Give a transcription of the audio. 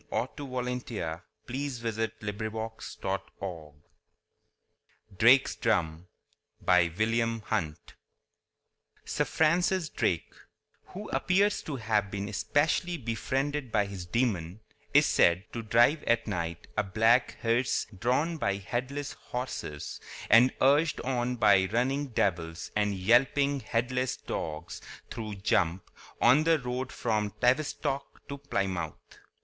(1859ŌĆō1946). The Haunters and the Haunted. 1921. XII. Drake's Drum By WILLIAM HUNT SIR FRANCIS DRAKE—who appears to have been especially befriended by his demon—is said to drive at night a black hearse drawn by headless horses, and urged on by running devils and yelping, headless dogs, through Jump, on the road from Tavistock to Plymouth.